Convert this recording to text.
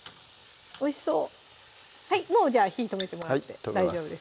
おいしそうはいもうじゃあ火止めてもらって大丈夫です